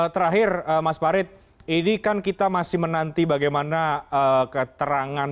terakhir mas farid ini kan kita masih menanti bagaimana keterangan